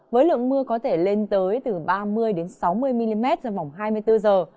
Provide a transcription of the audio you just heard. với lượng mưa có thể lên tới từ ba mươi sáu mươi mm trong vòng hai mươi bốn giờ